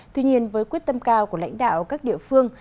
tuy nhiên với quyết tâm cao của lãnh đạo các địa phương